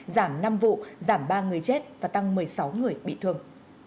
giảm năm vụ giảm ba người chết và tăng một mươi sáu người bị thương